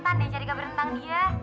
coba kita cari kabar tentang dia